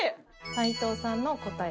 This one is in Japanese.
齊藤さんの答え。